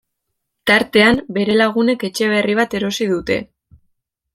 Tartean bere lagunek etxe berri bat erosi dute.